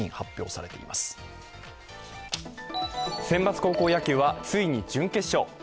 選抜高校野球はついに準決勝。